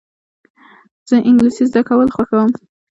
زه انګلېسي زده کول خوښوم.